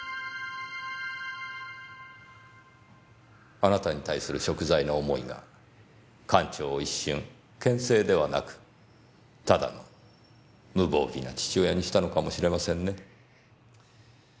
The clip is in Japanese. あなたに対する贖罪の思いが館長を一瞬剣聖ではなくただの無防備な父親にしたのかもしれませんね。